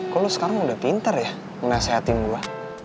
kok lo sekarang udah pinter ya ngasihatin gue